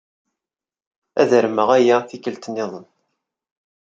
Ad armeɣ aya tikkelt niḍen.